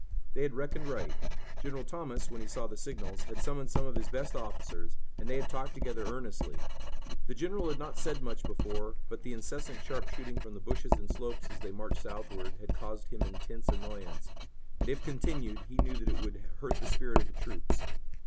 They had reckoned right. General Thomas, when he saw the signals, had summoned some of his best officers and they had talked together earnestly. The general had not said much before, but the incessant sharpshooting from the bushes and slopes as they marched southward had caused him intense annoyance, and, if continued, he knew that it would hurt the spirit of the troops.